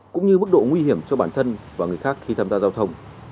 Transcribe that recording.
cũng như mức độ nguy hiểm cho bản thân và người khác khi tham gia giao thông